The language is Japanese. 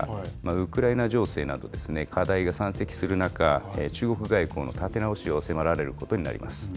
ウクライナ情勢など、課題が山積する中、中国外交の立て直しを迫られることになります。